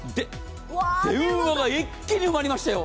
電話が一気に埋まりましたよ。